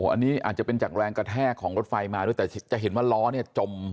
อันนี้อาจจะเป็นจากแรงกระแทกของรถไฟมาด้วยแต่จะเห็นว่าล้อเนี่ยจม